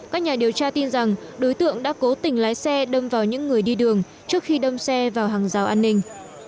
các nhà điều tra tin rằng đối tượng đã cố tình lái xe đâm vào những người đi đường trước khi đâm xe vào hàng rào an ninh